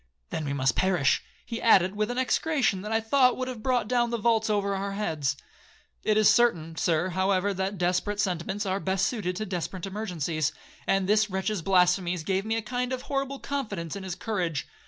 '—'Then we must perish,' he added, with an execration that I thought would have brought down the vaults over our heads. It is certain, Sir, however, that desperate sentiments are best suited to desperate emergencies, and this wretch's blasphemies gave me a kind of horrible confidence in his courage.